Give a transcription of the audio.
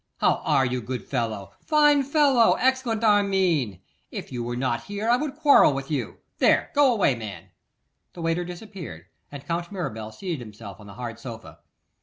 How are you, good fellow, fine fellow, excellent Armine? If you were not here I would quarrel with you. There, go away, man.' The waiter disappeared, and Count Mirabel seated himself on the hard sofa.